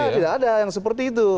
tidak ada yang seperti itu